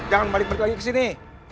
jangan balik balik lagi kesini